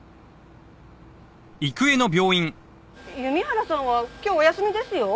弓原さんは今日お休みですよ。